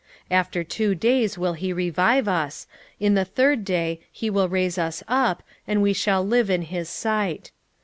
6:2 After two days will he revive us: in the third day he will raise us up, and we shall live in his sight.